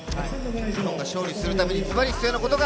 日本が勝利するためにズバリ必要なことは？